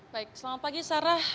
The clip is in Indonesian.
baik selamat pagi sarah